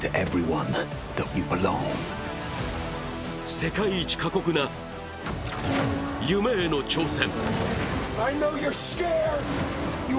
世界一過酷な夢への挑戦。